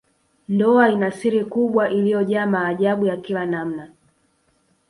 Ndoa ina siri kubwa iliyojaa maajabu ya kila namna